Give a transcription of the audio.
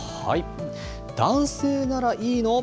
男性ならいいの？